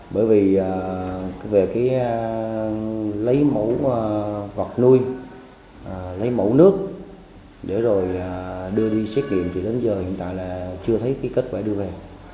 bởi vì về lấy mẫu vật nuôi lấy mẫu nước để rồi đưa đi xét nghiệm thì đến giờ hiện tại là chưa thấy cái kết quả đưa về